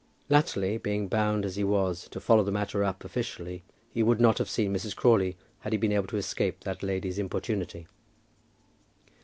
Latterly, being bound as he was to follow the matter up officially, he would not have seen Mrs. Crawley, had he been able to escape that lady's importunity.